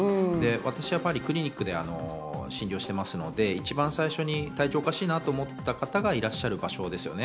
私は普段、クリニックで診療していますので、一番最初に体調がおかしいなと思った方がいらっしゃる場所ですよね。